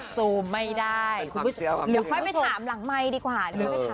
สูมไม่ได้หรือค่อยไปถามหลังไมค์ดีกว่าหรือเหรอ